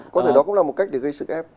có thể đó cũng là một cách để gây sức ép